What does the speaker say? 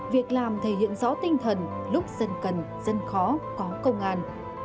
việc làm thể hiện rõ tinh thần lúc dân cần dân khó có công an